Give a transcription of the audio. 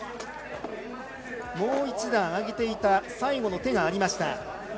もう一段上げていた最後の手がありました。